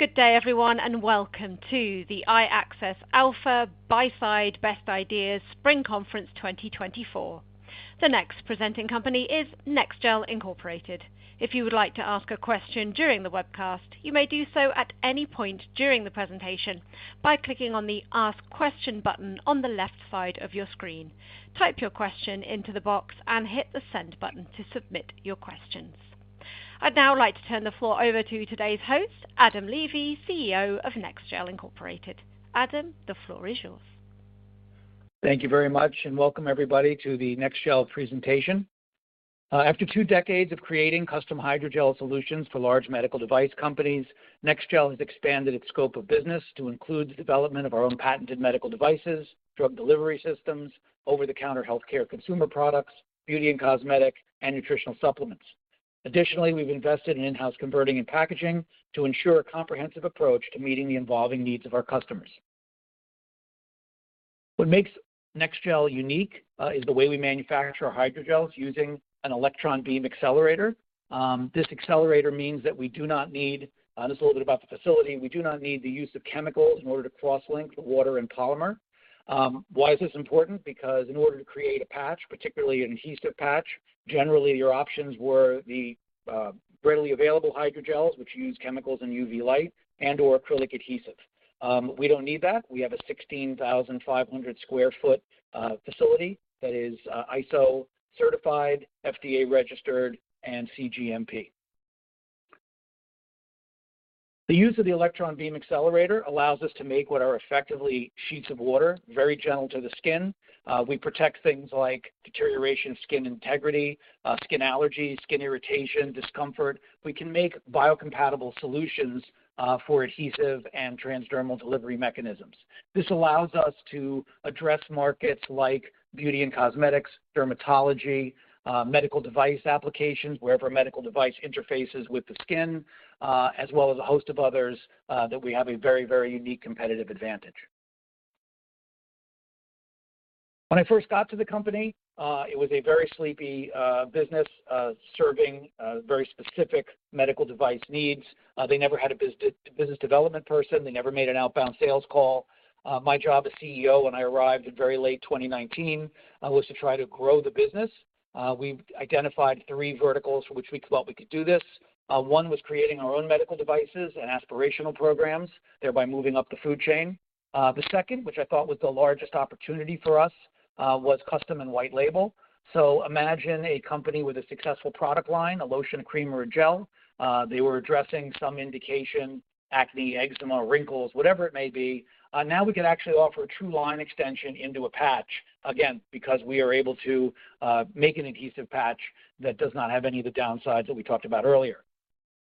Good day, everyone, and welcome to the iAccess Alpha Buy Side Best Ideas Spring Conference 2024. The next presenting company is NEXGEL Incorporated. If you would like to ask a question during the webcast, you may do so at any point during the presentation by clicking on the Ask Question button on the left side of your screen. Type your question into the box and hit the Send button to submit your questions. I'd now like to turn the floor over to today's host, Adam Levy, CEO of NEXGEL Incorporated. Adam, the floor is yours. Thank you very much, and welcome, everybody, to the NEXGEL presentation. After two decades of creating custom hydrogel solutions for large medical device companies, NEXGEL has expanded its scope of business to include the development of our own patented medical devices, drug delivery systems, over-the-counter healthcare consumer products, beauty and cosmetic, and nutritional supplements. Additionally, we've invested in in-house converting and packaging to ensure a comprehensive approach to meeting the evolving needs of our customers. What makes NEXGEL unique is the way we manufacture our hydrogels using an electron beam accelerator. This accelerator means that we do not need and this is a little bit about the facility: we do not need the use of chemicals in order to cross-link the water and polymer. Why is this important? Because in order to create a patch, particularly an adhesive patch, generally your options were the readily available hydrogels, which use chemicals and UV light, and/or acrylic adhesive. We don't need that. We have a 16,500 sq ft facility that is ISO certified, FDA registered, and cGMP. The use of the electron beam accelerator allows us to make what are effectively sheets of water, very gentle to the skin. We protect things like deterioration of skin integrity, skin allergies, skin irritation, discomfort. We can make biocompatible solutions for adhesive and transdermal delivery mechanisms. This allows us to address markets like beauty and cosmetics, dermatology, medical device applications, wherever a medical device interfaces with the skin, as well as a host of others that we have a very, very unique competitive advantage. When I first got to the company, it was a very sleepy business serving very specific medical device needs. They never had a business development person. They never made an outbound sales call. My job as CEO when I arrived in very late 2019 was to try to grow the business. We identified three verticals for which we thought we could do this. One was creating our own medical devices and aspirational programs, thereby moving up the food chain. The second, which I thought was the largest opportunity for us, was custom and white label. So imagine a company with a successful product line, a lotion, a cream, or a gel. They were addressing some indication: acne, eczema, wrinkles, whatever it may be. Now we could actually offer a true line extension into a patch, again, because we are able to make an adhesive patch that does not have any of the downsides that we talked about earlier.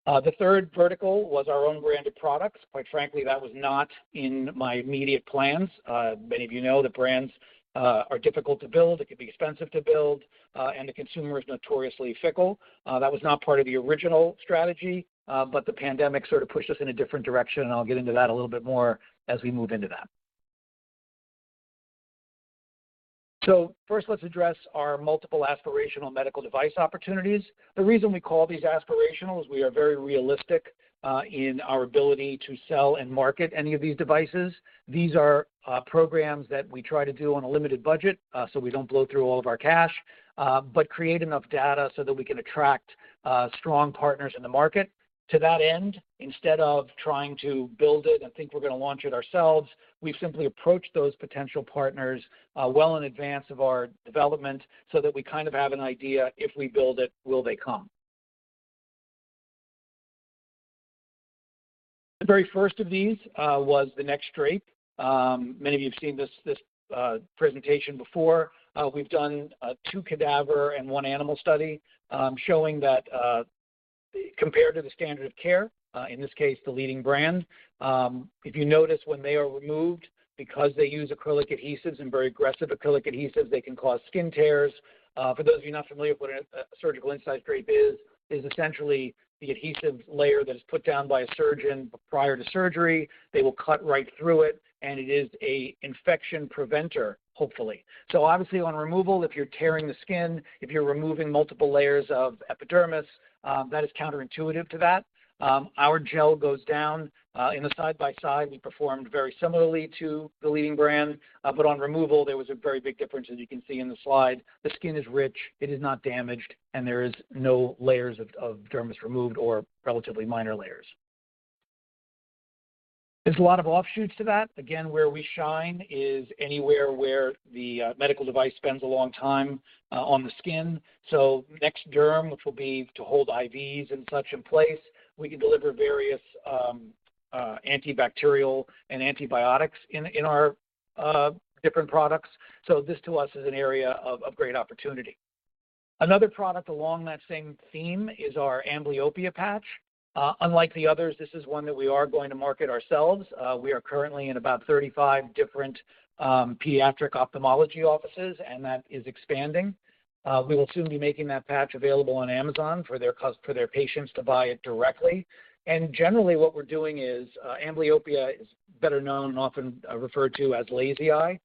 The third vertical was our own branded products. Quite frankly, that was not in my immediate plans. Many of you know that brands are difficult to build. It can be expensive to build, and the consumer is notoriously fickle. That was not part of the original strategy, but the pandemic sort of pushed us in a different direction, and I'll get into that a little bit more as we move into that. First, let's address our multiple aspirational medical device opportunities. The reason we call these aspirational is we are very realistic in our ability to sell and market any of these devices. These are programs that we try to do on a limited budget so we don't blow through all of our cash, but create enough data so that we can attract strong partners in the market. To that end, instead of trying to build it and think we're going to launch it ourselves, we've simply approached those potential partners well in advance of our development so that we kind of have an idea: if we build it, will they come? The very first of these was the NEXDrape. Many of you have seen this presentation before. We've done two cadaver and one animal study showing that compared to the standard of care, in this case, the leading brand, if you notice when they are removed, because they use acrylic adhesives and very aggressive acrylic adhesives, they can cause skin tears. For those of you not familiar with what a surgical incise drape is, it is essentially the adhesive layer that is put down by a surgeon prior to surgery. They will cut right through it, and it is an infection preventer, hopefully. So obviously, on removal, if you're tearing the skin, if you're removing multiple layers of epidermis, that is counterintuitive to that. Our gel goes down in the side-by-side. We performed very similarly to the leading brand, but on removal, there was a very big difference, as you can see in the slide. The skin is rich. It is not damaged, and there are no layers of dermis removed or relatively minor layers. There's a lot of offshoots to that. Again, where we shine is anywhere where the medical device spends a long time on the skin. So NEXDerm, which will be to hold IVs and such in place, we can deliver various antibacterial and antibiotics in our different products. So this, to us, is an area of great opportunity. Another product along that same theme is our amblyopia patch. Unlike the others, this is one that we are going to market ourselves. We are currently in about 35 different pediatric ophthalmology offices, and that is expanding. We will soon be making that patch available on Amazon for their patients to buy it directly. Generally, what we're doing is amblyopia is better known and often referred to as lazy eye.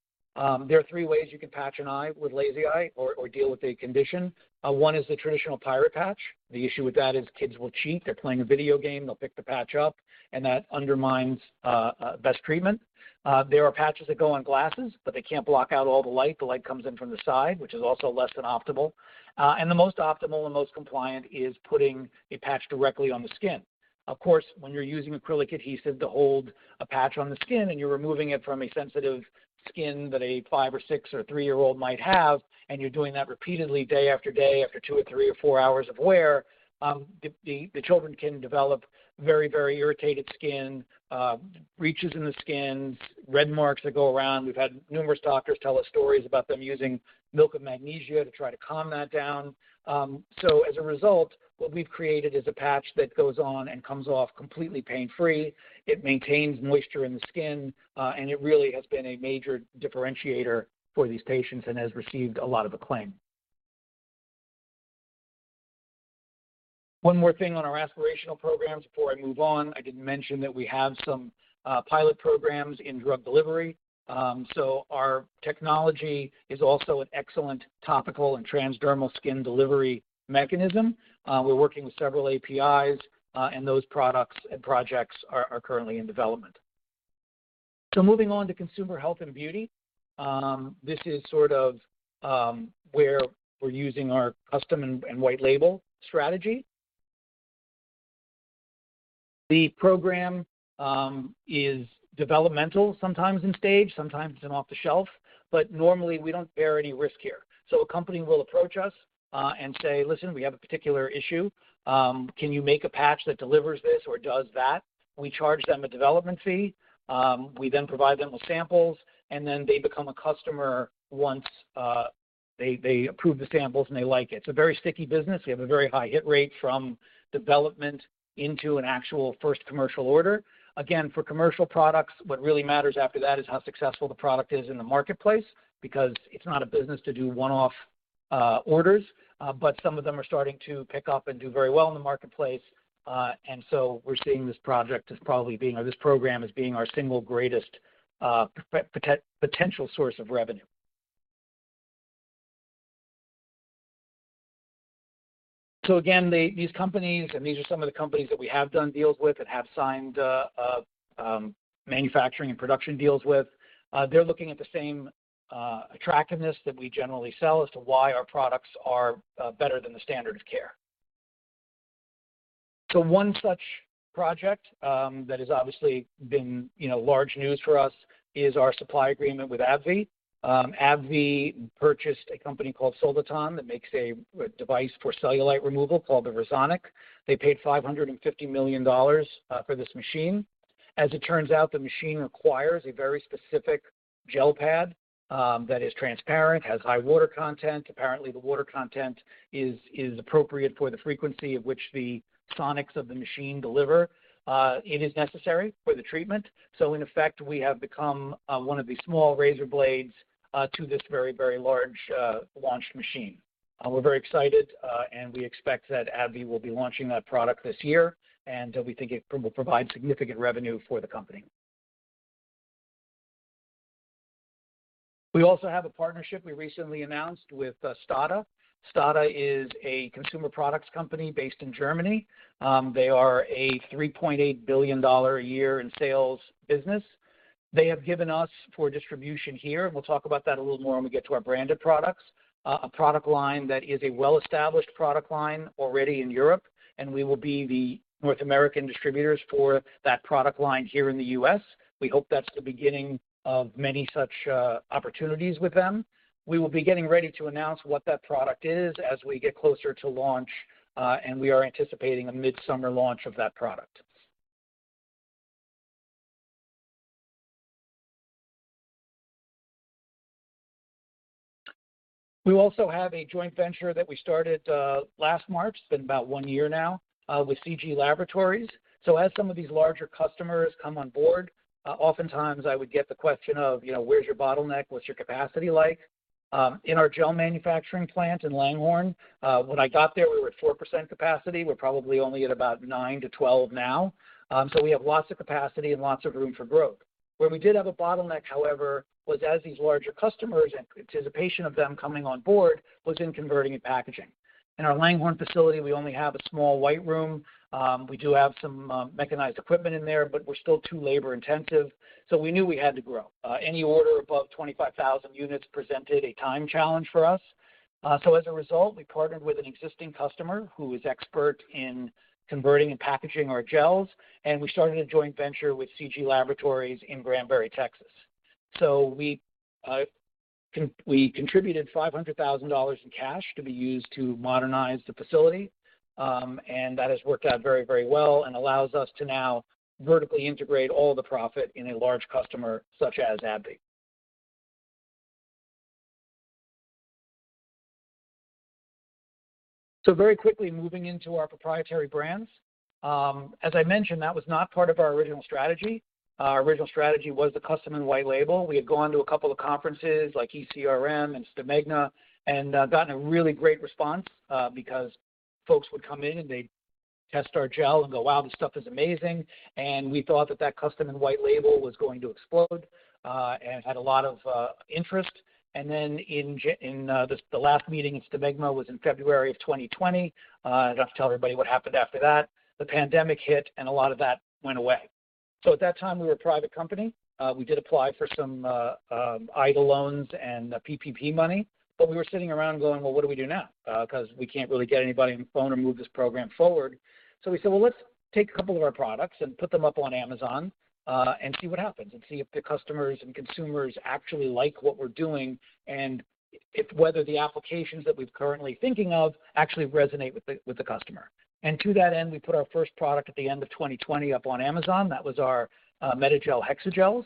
There are three ways you can patch an eye with lazy eye or deal with a condition. One is the traditional pirate patch. The issue with that is kids will cheat. They're playing a video game. They'll pick the patch up, and that undermines best treatment. There are patches that go on glasses, but they can't block out all the light. The light comes in from the side, which is also less than optimal. The most optimal and most compliant is putting a patch directly on the skin. Of course, when you're using acrylic adhesive to hold a patch on the skin and you're removing it from a sensitive skin that a 5- or 6- or 3-year-old might have, and you're doing that repeatedly day after day after two or three or four hours of wear, the children can develop very, very irritated skin, breaches in the skin, red marks that go around. We've had numerous doctors tell us stories about them using milk of magnesia to try to calm that down. As a result, what we've created is a patch that goes on and comes off completely pain-free. It maintains moisture in the skin, and it really has been a major differentiator for these patients and has received a lot of acclaim. One more thing on our aspirational programs before I move on: I didn't mention that we have some pilot programs in drug delivery. So our technology is also an excellent topical and transdermal skin delivery mechanism. We're working with several APIs, and those products and projects are currently in development. So moving on to consumer health and beauty, this is sort of where we're using our custom and white label strategy. The program is developmental sometimes in stage. Sometimes it's an off-the-shelf. But normally, we don't bear any risk here. So a company will approach us and say, "Listen, we have a particular issue. Can you make a patch that delivers this or does that?" We charge them a development fee. We then provide them with samples, and then they become a customer once they approve the samples and they like it. It's a very sticky business. We have a very high hit rate from development into an actual first commercial order. Again, for commercial products, what really matters after that is how successful the product is in the marketplace because it's not a business to do one-off orders. But some of them are starting to pick up and do very well in the marketplace. And so we're seeing this project as probably being or this program as being our single greatest potential source of revenue. So again, these companies and these are some of the companies that we have done deals with and have signed manufacturing and production deals with, they're looking at the same attractiveness that we generally sell as to why our products are better than the standard of care. So one such project that has obviously been large news for us is our supply agreement with AbbVie. AbbVie purchased a company called Soliton that makes a device for cellulite removal called the Resonic. They paid $550 million for this machine. As it turns out, the machine requires a very specific gel pad that is transparent, has high water content. Apparently, the water content is appropriate for the frequency at which the sonics of the machine deliver. It is necessary for the treatment. So in effect, we have become one of the small razor blades to this very, very large launched machine. We're very excited, and we expect that AbbVie will be launching that product this year, and we think it will provide significant revenue for the company. We also have a partnership we recently announced with STADA. STADA is a consumer products company based in Germany. They are a $3.8 billion a year in sales business. They have given us for distribution here - and we'll talk about that a little more when we get to our branded products - a product line that is a well-established product line already in Europe, and we will be the North American distributors for that product line here in the U.S. We hope that's the beginning of many such opportunities with them. We will be getting ready to announce what that product is as we get closer to launch, and we are anticipating a midsummer launch of that product. We also have a joint venture that we started last March. It's been about one year now with C.G. Laboratories. So as some of these larger customers come on board, oftentimes I would get the question of, "Where's your bottleneck? What's your capacity like?" In our gel manufacturing plant in Langhorne, when I got there, we were at 4% capacity. We're probably only at about 9-12 now. So we have lots of capacity and lots of room for growth. Where we did have a bottleneck, however, was as these larger customers and anticipation of them coming on board was in converting and packaging. In our Langhorne facility, we only have a small white room. We do have some mechanized equipment in there, but we're still too labor-intensive. So we knew we had to grow. Any order above 25,000 units presented a time challenge for us. So as a result, we partnered with an existing customer who is expert in converting and packaging our gels, and we started a joint venture with C.G. Laboratories in Granbury, Texas. So we contributed $500,000 in cash to be used to modernize the facility, and that has worked out very, very well and allows us to now vertically integrate all the profit in a large customer such as AbbVie. So very quickly, moving into our proprietary brands, as I mentioned, that was not part of our original strategy. Our original strategy was the custom and white label. We had gone to a couple of conferences like ECRM and Smegma and gotten a really great response because folks would come in, and they'd test our gel and go, "Wow, this stuff is amazing." And we thought that that custom and white label was going to explode and had a lot of interest. And then in the last meeting at Smegma was in February of 2020. I don't have to tell everybody what happened after that. The pandemic hit, and a lot of that went away. At that time, we were a private company. We did apply for some EIDL loans and PPP money, but we were sitting around going, "Well, what do we do now? Because we can't really get anybody on the phone or move this program forward." We said, "Well, let's take a couple of our products and put them up on Amazon and see what happens and see if the customers and consumers actually like what we're doing and whether the applications that we've currently thinking of actually resonate with the customer." To that end, we put our first product at the end of 2020 up on Amazon. That was our Medagel Hexagels.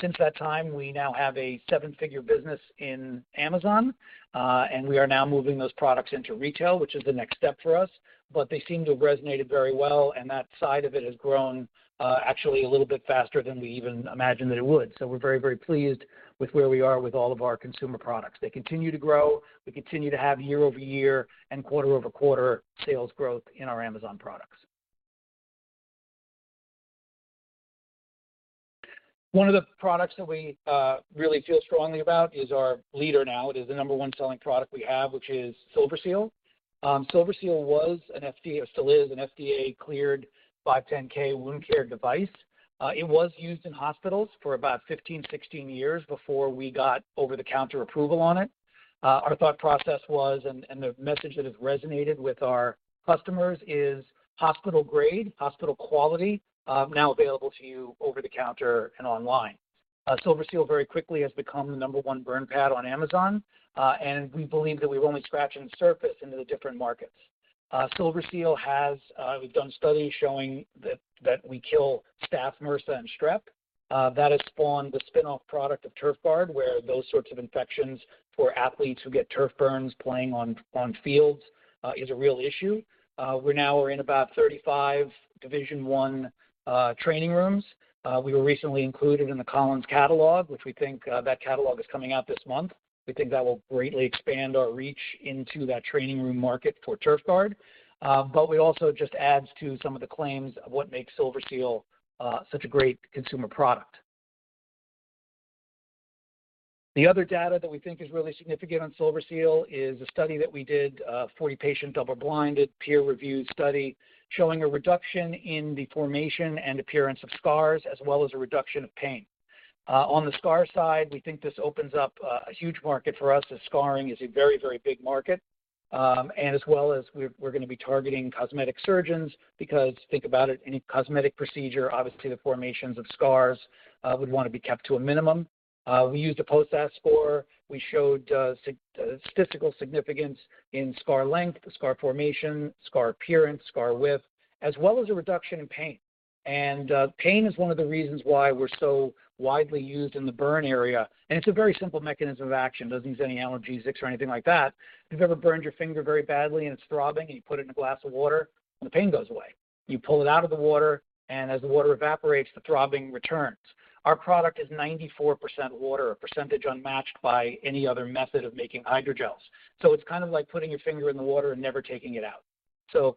Since that time, we now have a seven-figure business in Amazon, and we are now moving those products into retail, which is the next step for us. But they seem to have resonated very well, and that side of it has grown actually a little bit faster than we even imagined that it would. So we're very, very pleased with where we are with all of our consumer products. They continue to grow. We continue to have year-over-year and quarter-over-quarter sales growth in our Amazon products. One of the products that we really feel strongly about is our leader now. It is the number one selling product we have, which is SilverSeal. SilverSeal was and still is an FDA-cleared 510(k) wound care device. It was used in hospitals for about 15-16 years before we got over-the-counter approval on it. Our thought process was, and the message that has resonated with our customers is hospital-grade, hospital quality, now available to you over-the-counter and online. SilverSeal very quickly has become the number one burn pad on Amazon, and we believe that we're only scratching the surface into the different markets. SilverSeal, we've done studies showing that we kill Staph MRSA and Strep. That has spawned the spinoff product of TurfGuard, where those sorts of infections for athletes who get turf burns playing on fields is a real issue. We now are in about 35 Division I training rooms. We were recently included in the Collins catalog, which we think that catalog is coming out this month. We think that will greatly expand our reach into that training room market for TurfGuard. But it also just adds to some of the claims of what makes SilverSeal such a great consumer product. The other data that we think is really significant on SilverSeal is a study that we did, a 40-patient double-blinded peer-reviewed study showing a reduction in the formation and appearance of scars as well as a reduction of pain. On the scar side, we think this opens up a huge market for us as scarring is a very, very big market. And as well as we're going to be targeting cosmetic surgeons because think about it, any cosmetic procedure, obviously, the formations of scars would want to be kept to a minimum. We used a POSAS score. We showed statistical significance in scar length, scar formation, scar appearance, scar width, as well as a reduction in pain. Pain is one of the reasons why we're so widely used in the burn area. It's a very simple mechanism of action. It doesn't use any analgesics or anything like that. If you've ever burned your finger very badly and it's throbbing, and you put it in a glass of water, the pain goes away. You pull it out of the water, and as the water evaporates, the throbbing returns. Our product is 94% water, a percentage unmatched by any other method of making hydrogels. It's kind of like putting your finger in the water and never taking it out.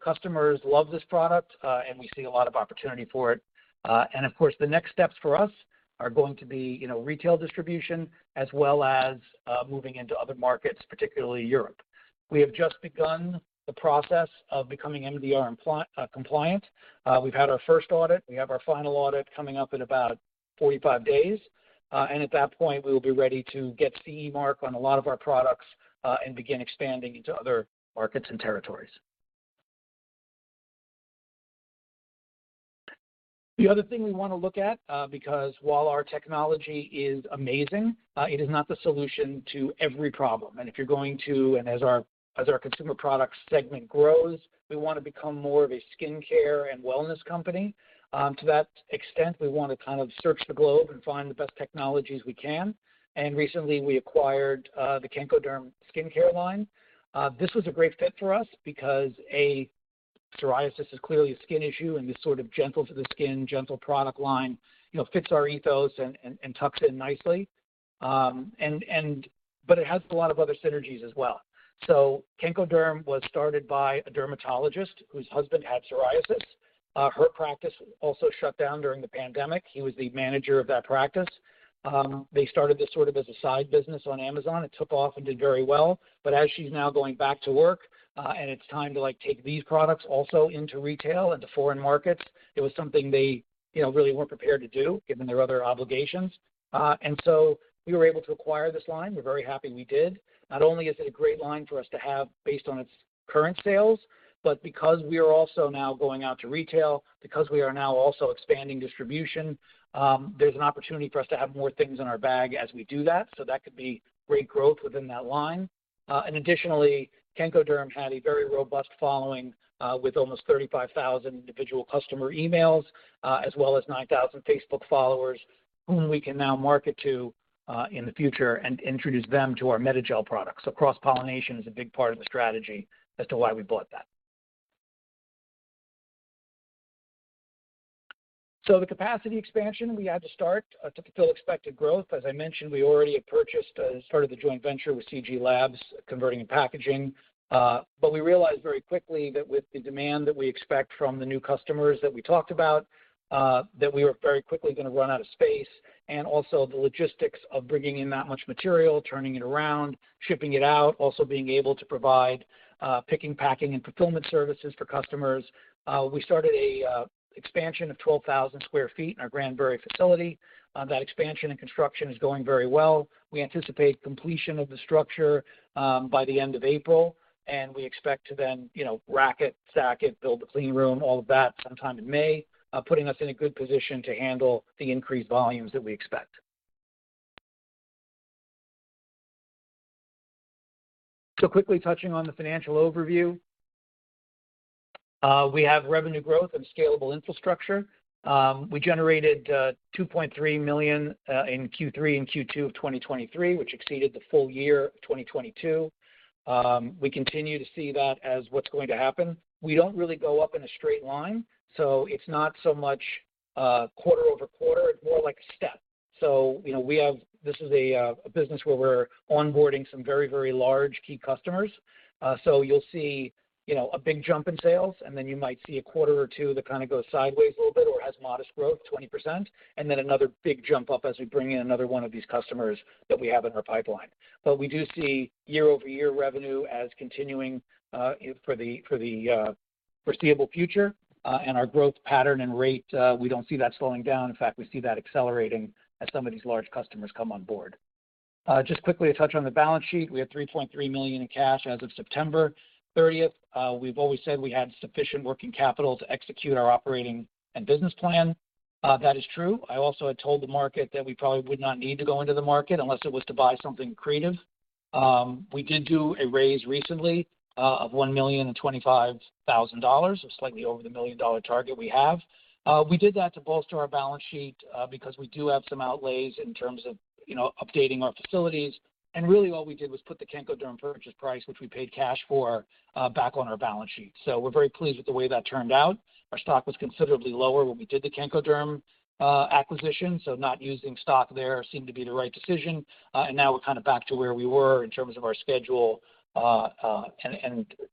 Customers love this product, and we see a lot of opportunity for it. Of course, the next steps for us are going to be retail distribution as well as moving into other markets, particularly Europe. We have just begun the process of becoming MDR compliant. We've had our first audit. We have our final audit coming up in about 45 days. At that point, we will be ready to get CE mark on a lot of our products and begin expanding into other markets and territories. The other thing we want to look at, because while our technology is amazing, it is not the solution to every problem. And if you're going to and as our consumer products segment grows, we want to become more of a skincare and wellness company. To that extent, we want to kind of search the globe and find the best technologies we can. And recently, we acquired the Kenkoderm skincare line. This was a great fit for us because psoriasis is clearly a skin issue, and this sort of gentle-to-the-skin, gentle product line fits our ethos and tucks in nicely. But it has a lot of other synergies as well. So Kenkoderm was started by a dermatologist whose husband had psoriasis. Her practice also shut down during the pandemic. He was the manager of that practice. They started this sort of as a side business on Amazon. It took off and did very well. But as she's now going back to work and it's time to take these products also into retail and to foreign markets, it was something they really weren't prepared to do given their other obligations. And so we were able to acquire this line. We're very happy we did. Not only is it a great line for us to have based on its current sales, but because we are also now going out to retail, because we are now also expanding distribution, there's an opportunity for us to have more things in our bag as we do that. So that could be great growth within that line. Additionally, Kenkoderm had a very robust following with almost 35,000 individual customer emails as well as 9,000 Facebook followers whom we can now market to in the future and introduce them to our MedaGel products. So cross-pollination is a big part of the strategy as to why we bought that. So the capacity expansion, we had to start to fulfill expected growth. As I mentioned, we already had purchased started the joint venture with C.G. Labs converting and packaging. But we realized very quickly that with the demand that we expect from the new customers that we talked about, that we were very quickly going to run out of space. And also the logistics of bringing in that much material, turning it around, shipping it out, also being able to provide picking, packing, and fulfillment services for customers. We started an expansion of 12,000 sq ft in our Granbury facility. That expansion and construction is going very well. We anticipate completion of the structure by the end of April, and we expect to then rack it, stack it, build a clean room, all of that sometime in May, putting us in a good position to handle the increased volumes that we expect. So quickly touching on the financial overview, we have revenue growth and scalable infrastructure. We generated $2.3 million in Q3 and Q2 of 2023, which exceeded the full year of 2022. We continue to see that as what's going to happen. We don't really go up in a straight line, so it's not so much quarter-over-quarter. It's more like a step. So we have this is a business where we're onboarding some very, very large key customers. So you'll see a big jump in sales, and then you might see a quarter or two that kind of goes sideways a little bit or has modest growth, 20%, and then another big jump up as we bring in another one of these customers that we have in our pipeline. But we do see year-over-year revenue as continuing for the foreseeable future. And our growth pattern and rate, we don't see that slowing down. In fact, we see that accelerating as some of these large customers come on board. Just quickly a touch on the balance sheet. We had $3.3 million in cash as of September 30th. We've always said we had sufficient working capital to execute our operating and business plan. That is true. I also had told the market that we probably would not need to go into the market unless it was to buy something creative. We did do a raise recently of $1,025,000, slightly over the million-dollar target we have. We did that to bolster our balance sheet because we do have some outlays in terms of updating our facilities. And really, all we did was put the Kenkoderm purchase price, which we paid cash for, back on our balance sheet. So we're very pleased with the way that turned out. Our stock was considerably lower when we did the Kenkoderm acquisition. So not using stock there seemed to be the right decision. And now we're kind of back to where we were in terms of our schedule and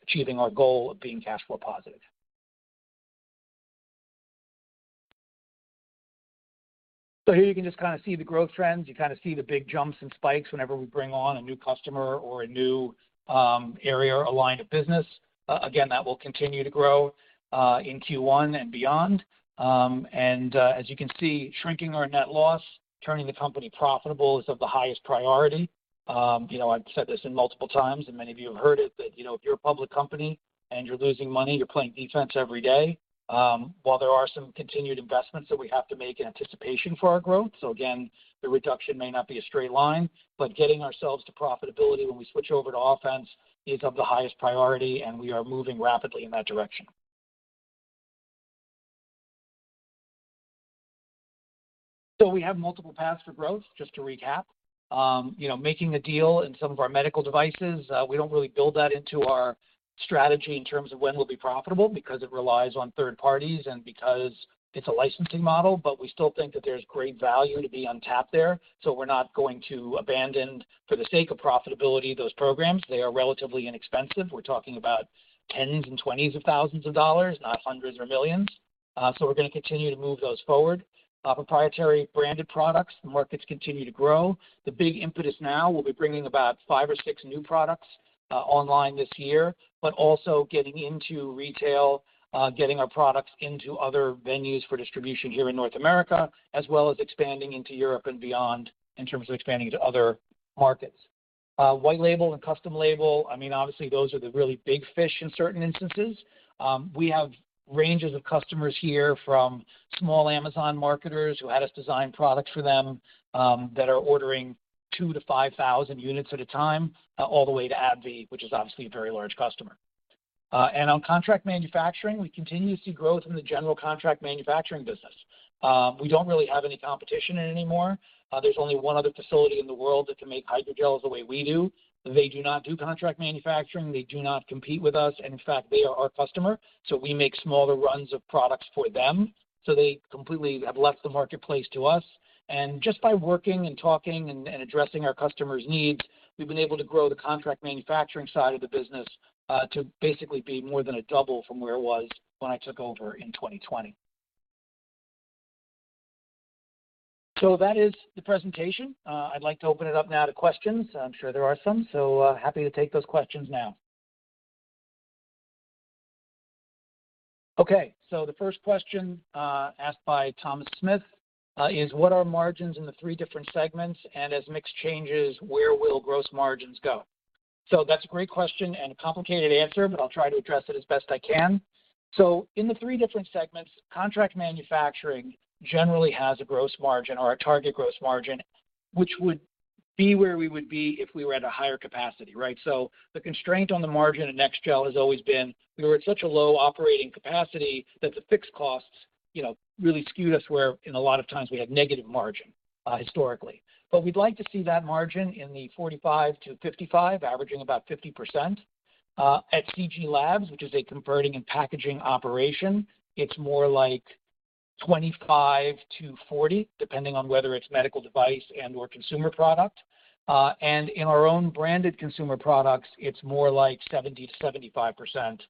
achieving our goal of being cash flow positive. So here you can just kind of see the growth trends. You kind of see the big jumps and spikes whenever we bring on a new customer or a new area or line of business. Again, that will continue to grow in Q1 and beyond. And as you can see, shrinking our net loss, turning the company profitable is of the highest priority. I've said this multiple times, and many of you have heard it, that if you're a public company and you're losing money, you're playing defense every day. While there are some continued investments that we have to make in anticipation for our growth so again, the reduction may not be a straight line, but getting ourselves to profitability when we switch over to offense is of the highest priority, and we are moving rapidly in that direction. So we have multiple paths for growth. Just to recap, making a deal in some of our medical devices, we don't really build that into our strategy in terms of when we'll be profitable because it relies on third parties and because it's a licensing model. But we still think that there's great value to be untapped there. So we're not going to abandon for the sake of profitability those programs. They are relatively inexpensive. We're talking about $10,000s and $20,000s, not $100,000s or $1,000,000s. So we're going to continue to move those forward. Proprietary branded products, the markets continue to grow. The big impetus now will be bringing about five or six new products online this year, but also getting into retail, getting our products into other venues for distribution here in North America, as well as expanding into Europe and beyond in terms of expanding into other markets. White label and custom label, I mean, obviously, those are the really big fish in certain instances. We have ranges of customers here from small Amazon marketers who had us design products for them that are ordering 2,000-5,000 units at a time all the way to AbbVie, which is obviously a very large customer. On contract manufacturing, we continue to see growth in the general contract manufacturing business. We don't really have any competition anymore. There's only one other facility in the world that can make hydrogels the way we do. They do not do contract manufacturing. They do not compete with us. And in fact, they are our customer. So we make smaller runs of products for them. So they completely have left the marketplace to us. And just by working and talking and addressing our customers' needs, we've been able to grow the contract manufacturing side of the business to basically be more than a double from where it was when I took over in 2020. So that is the presentation. I'd like to open it up now to questions. I'm sure there are some, so happy to take those questions now. Okay. So the first question asked by Thomas Smith is, "What are margins in the three different segments, and as mixed changes, where will gross margins go?" So that's a great question and a complicated answer, but I'll try to address it as best I can. So in the three different segments, contract manufacturing generally has a gross margin or a target gross margin, which would be where we would be if we were at a higher capacity, right? So the constraint on the margin at NEXGEL has always been we were at such a low operating capacity that the fixed costs really skewed us where in a lot of times, we had negative margin historically. But we'd like to see that margin in the 45%-55%, averaging about 50%. At C.G. Labs, which is a converting and packaging operation, it's more like 25%-40%, depending on whether it's medical device and/or consumer product. And in our own branded consumer products, it's more like 70%-75%.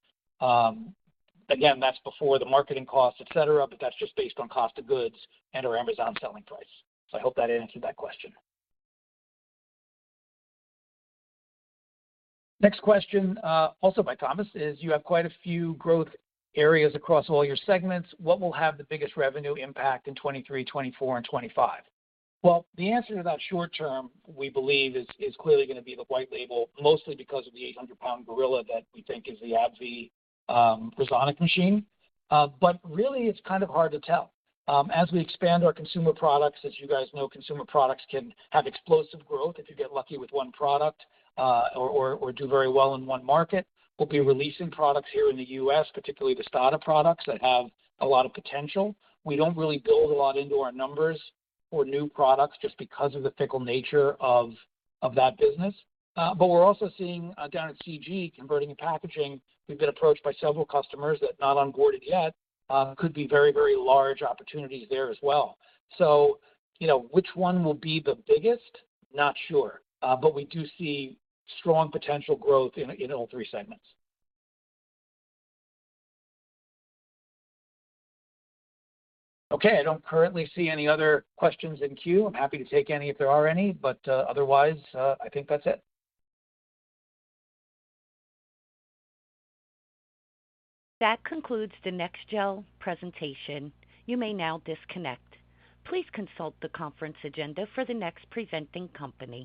Again, that's before the marketing costs, etc., but that's just based on cost of goods and our Amazon selling price. So I hope that answered that question. Next question, also by Thomas, is, "You have quite a few growth areas across all your segments. What will have the biggest revenue impact in 2023, 2024, and 2025?" Well, the answer about short term, we believe, is clearly going to be the white label, mostly because of the 800-pound gorilla that we think is the AbbVie RESONIC machine. But really, it's kind of hard to tell. As we expand our consumer products, as you guys know, consumer products can have explosive growth if you get lucky with one product or do very well in one market. We'll be releasing products here in the U.S., particularly the STADA products that have a lot of potential. We don't really build a lot into our numbers for new products just because of the fickle nature of that business. But we're also seeing down at C.G., converting and packaging, we've been approached by several customers that not onboarded yet. Could be very, very large opportunities there as well. So which one will be the biggest? Not sure. But we do see strong potential growth in all three segments. Okay. I don't currently see any other questions in queue. I'm happy to take any if there are any, but otherwise, I think that's it. That concludes the NEXGEL presentation. You may now disconnect. Please consult the conference agenda for the next presenting company.